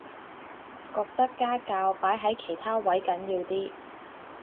覺得家教擺喺其他位緊要啲